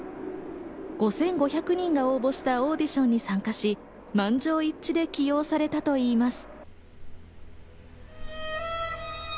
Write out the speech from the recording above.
５５００人が応募したオーディションに参加し、満場一致で起用されたといいます。